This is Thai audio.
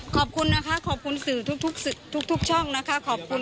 ขอบคุณนะคะขอบคุณสื่อทุกทุกช่องนะคะ